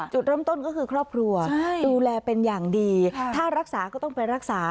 จุดเริ่มต้นก็คือครอบครัวดูแลเป็นอย่างดีถ้ารักษาก็ต้องไปรักษา